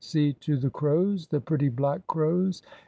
"See to the crows, the pretty black crows!